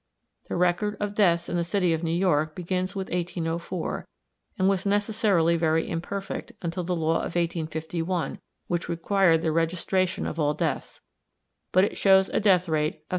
The record of deaths in the city of New York begins with 1804, and was necessarily very imperfect until the law of 1851, which required the registration of all deaths; but it shows a death rate of 30.